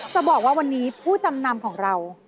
จะบอกว่าวันนี้ผู้จำนำของเรา